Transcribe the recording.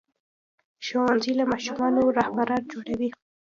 ښوونځی له ماشومانو رهبران جوړوي.